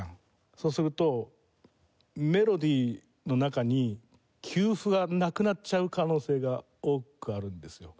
そうするとメロディーの中に休符がなくなっちゃう可能性が多くあるんですよ。